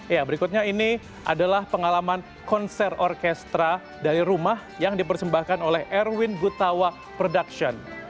ya berikutnya ini adalah pengalaman konser orkestra dari rumah yang dipersembahkan oleh erwin gutawa production